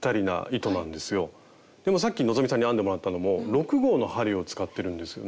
でもさっき希さんに編んでもらったのも６号の針を使ってるんですよね。